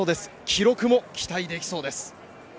記録も期待できそうです。